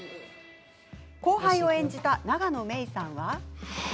後輩を演じた永野芽郁さんは。